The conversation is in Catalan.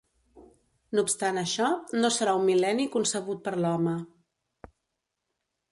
No obstant això, no serà un mil·lenni concebut per l'home.